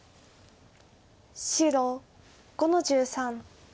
白５の十三。